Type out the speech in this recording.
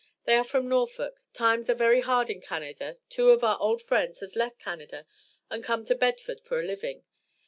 They are from Norfolk Times are very hard in Canada 2 of our old friends has left Canada and come to Bedford for a living.